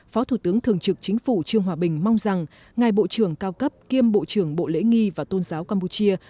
phó thủ tướng thường trực chính phủ trương hòa bình mong rằng ngài bộ trưởng cao cấp kiêm bộ trưởng bộ lễ nghi và tôn giáo campuchia